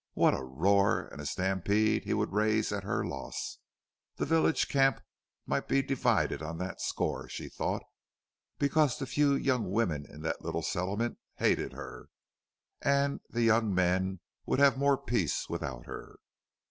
What a roar and a stampede he would raise at her loss! The village camp might be divided on that score, she thought, because the few young women in that little settlement hated her, and the young men would have more peace without her.